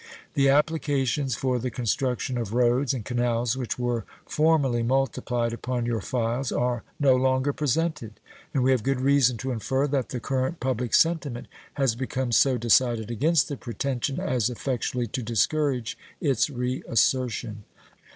The applications for the construction of roads and canals which were formerly multiplied upon your files are no longer presented, and we have good reason to infer that the current public sentiment has become so decided against the pretension as effectually to discourage its reassertion.